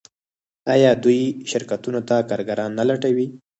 آیا دوی شرکتونو ته کارګران نه لټوي؟